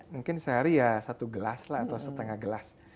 mungkin sehari ya satu gelas lah atau setengah gelas